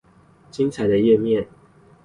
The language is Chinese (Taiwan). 精彩的頁面